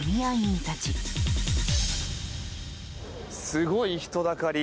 すごい人だかり。